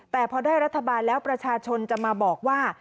แต่พอได้รัฐบาลแล้วประชาชนจะมาบอกว่า